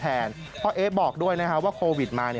เพราะเอ๊ะบอกด้วยว่าโควิดมา